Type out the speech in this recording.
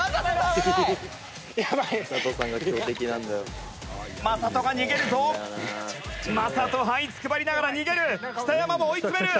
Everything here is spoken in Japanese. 清水：「魔裟斗が逃げるぞ」「魔裟斗はいつくばりながら逃げる」「北山も追い詰める」